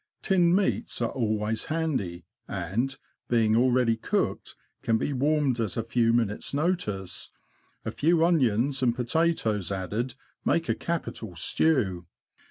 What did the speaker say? Tinned meats are always handy, and, being already cooked, can be warmed at a few minutes' notice ; a few onions and potatoes added make a capital stew.